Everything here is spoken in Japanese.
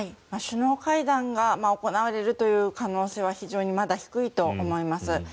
首脳会談が行われるという可能性は非常にまだ低いと思います。